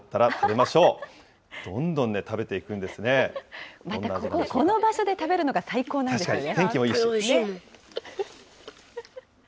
またこの場所で食べるのが最高なんですよね。